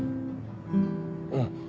うん。